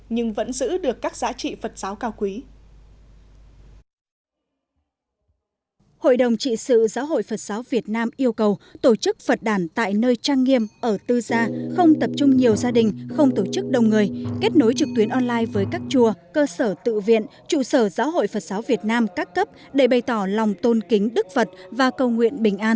nhưng vẫn giữ được các giá trị phật giáo cao quý